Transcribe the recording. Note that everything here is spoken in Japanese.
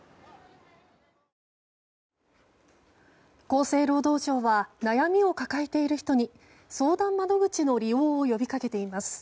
厚生労働省は悩みを抱えている人に相談窓口の利用を呼びかけています。